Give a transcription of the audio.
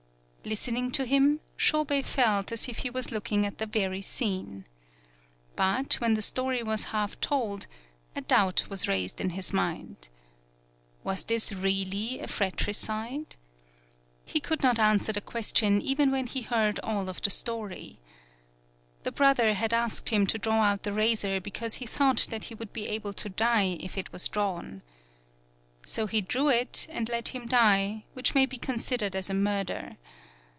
Listening to him, Shobei felt as if he was looking at the very scene. But, when the story was half told, a doubt 29 PAULOWNIA was raised in his mind. Was this really a fratricide? He could not answer the question even when he heard all of the story. The brother had asked him to draw out the razor because he thought that he would be able to die if it was drawn. So he drew it and let him die, which may be considered as a murder.